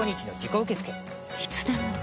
いつでも？